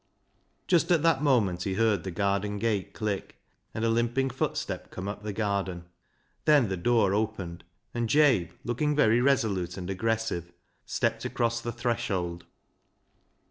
Just at that moment he heard the garden gate click and a limping footstep come up the garden. Then the door opened, and Jabe, looking very resolute and aggressive, stepped across the threshold.